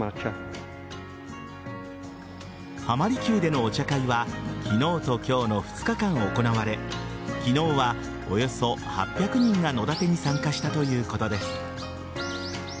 浜離宮でのお茶会は昨日と今日の２日間行われ昨日はおよそ８００人が野だてに参加したということです。